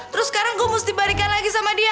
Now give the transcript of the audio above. terus sekarang gue mesti balikin lagi sama dia